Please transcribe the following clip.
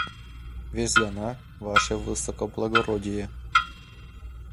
Вес гана: «Ваше высокоблагородие».